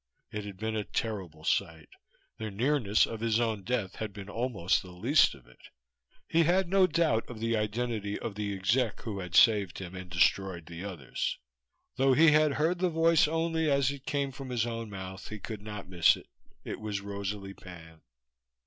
It had been a terrible sight. The nearness of his own death had been almost the least of it. He had no doubt of the identity of the exec who had saved him and destroyed the others. Though he had heard the voice only as it came from his own mouth, he could not miss it. It was Rosalie Pan.